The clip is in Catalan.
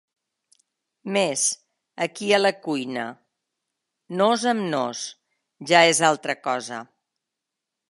Mes, aquí a la cuina… nós amb nós, ja és altra cosa…